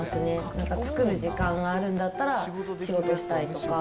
なんか作る時間があるんだったら、仕事をしたいとか。